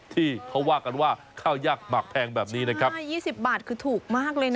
ที่เขาว่ากันว่าข้าวยากหมักแพงแบบนี้นะครับใช่ยี่สิบบาทคือถูกมากเลยนะ